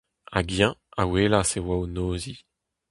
Hag eñ a welas e oa o noziñ.